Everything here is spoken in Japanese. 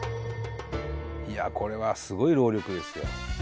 いやこれはすごい労力ですよ。